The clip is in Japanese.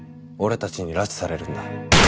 俺たちに拉致されるんだ。